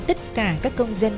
tất cả các công dân